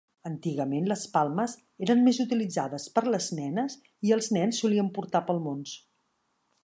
Antigament les palmes eren més utilitzades per les nenes, i els nens solien portar palmons.